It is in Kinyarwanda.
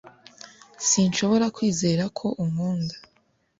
sinshobora kwizera ko unkunda